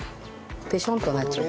ぺしょんとなっちゃう。